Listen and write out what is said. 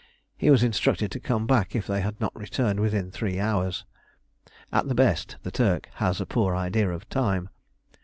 He was instructed to come back if they had not returned within three hours. At the best the Turk has a poor idea of time.